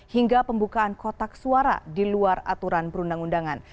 hingga pembukaan kotak suara di luar aturan perundang undangan